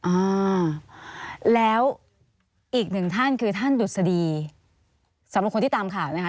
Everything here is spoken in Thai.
อ่าแล้วอีกหนึ่งท่านคือท่านดุษฎีสำหรับคนที่ตามข่าวนะคะ